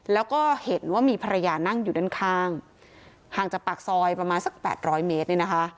แล้วก็เห็นว่ามีภรรยานั่งอยู่ด้านข้างห่างจากปากซอยประมาณสักแปดร้อยเมตรเนี่ยนะคะ